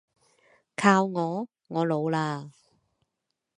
靠我，我老喇